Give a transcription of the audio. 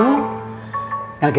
nagetin bapak aja